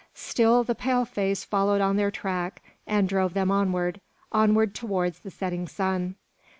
Still the pale face followed on their track, and drove them onward, onward towards the setting sun.